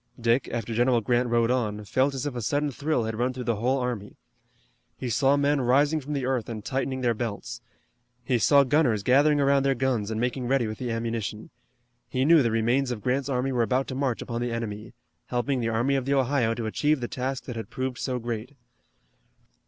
Dick, after General Grant rode on, felt as if a sudden thrill had run through the whole army. He saw men rising from the earth and tightening their belts. He saw gunners gathering around their guns and making ready with the ammunition. He knew the remains of Grant's army were about to march upon the enemy, helping the Army of the Ohio to achieve the task that had proved so great.